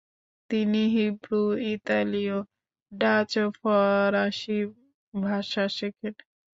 তিনি হিব্রু, ইতালীয়, ডাচ ও ফরাসি ভাষা শেখেন।